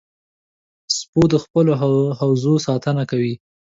سپو د خپلو حوزو ساتنه کوي.